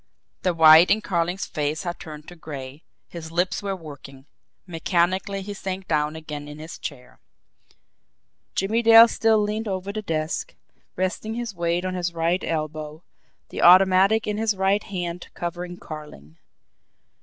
The white in Carling's face had turned to gray, his lips were working mechanically he sank down again in his chair. Jimmie Dale still leaned over the desk, resting his weight on his right elbow, the automatic in his right hand covering Carling.